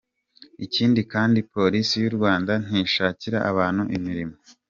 Ikindi kandi Polisi y’u Rwanda ntishakira abantu imirimo.